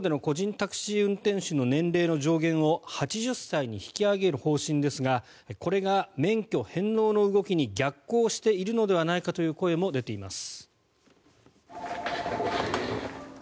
タクシー運転手の年齢の上限を８０歳に引き上げる方針ですがこれが免許返納の動きに逆行しているのではないかという声も出ています。